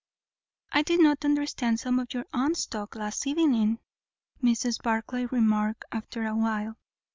"I did not understand some of your aunt's talk last evening," Mrs. Barclay remarked after a while.